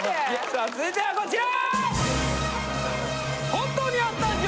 さあ続いてはこちら！